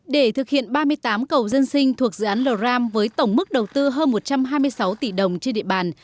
để thực hiện ba mươi tám cầu dân sinh thuộc dự án lò ram với tổng mức đầu tư hơn một trăm hai mươi sáu tỷ đồng trên địa bàn